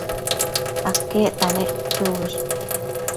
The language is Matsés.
aquecta nec uëquë uësh?